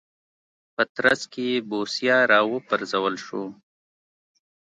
په ترڅ کې یې بوسیا راوپرځول شو.